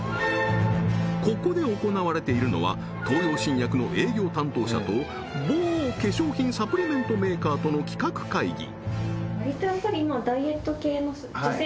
ここで行われているのは東洋新薬の営業担当者と某化粧品サプリメントメーカーとの企画会議